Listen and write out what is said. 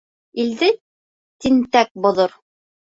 Илде тинтәк боҙор.